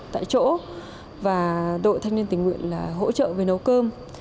tại chỗ và đội thanh niên tình nguyện là hỗ trợ về nấu cơm